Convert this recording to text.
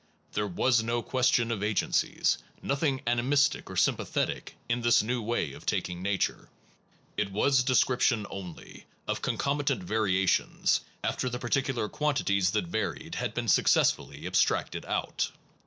There was no question of agencies, nothing animistic or sympathetic in this new way of taking nature. It was descrip tion only, of concomitant variations, after the particular quantities that varied had been successfully abstracted out.